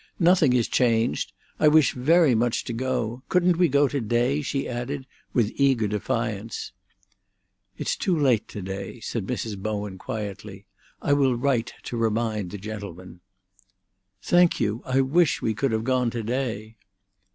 "Nothing is changed. I wish very much to go. Couldn't we go to day?" she added, with eager defiance. "It's too late to day," said Mrs. Bowen quietly. "I will write to remind the gentlemen." "Thank you. I wish we could have gone to day."